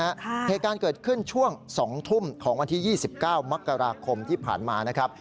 เหตุการณ์เกิดขึ้นช่วง๒ทุ่มของวันที่๒๙มกราคมที่ผ่านมานะครับ